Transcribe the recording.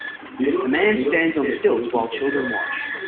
A man stands on stilts while children watch.